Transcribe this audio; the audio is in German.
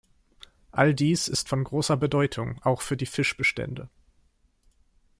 All dies ist von großer Bedeutung auch für die Fischbestände.